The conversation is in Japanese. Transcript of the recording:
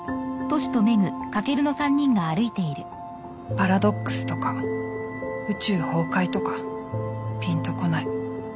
パラドックスとか宇宙崩壊とかピンとこない。